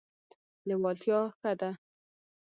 لیوالتیا ښه ده.